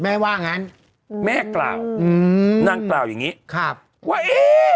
แม่ว่างั้นและแม่กล่าวนั่งกล่าวอย่างนี้